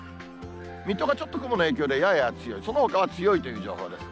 水戸がちょっと雲の影響でやや強い、そのほかは強いという情報です。